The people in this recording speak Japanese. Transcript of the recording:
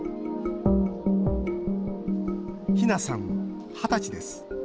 ひなさん、二十歳です。